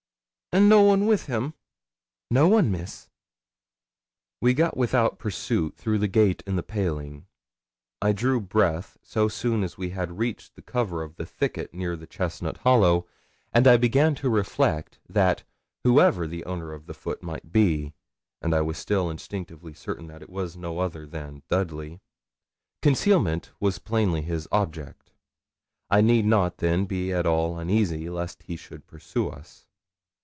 'And no one with him?' 'No one, Miss.' We got without pursuit through the gate in the paling. I drew breath so soon as we had reached the cover of the thicket near the chestnut hollow, and I began to reflect that whoever the owner of the foot might be and I was still instinctively certain that it was no other than Dudley concealment was plainly his object. I need not, then, be at all uneasy lest he should pursue us.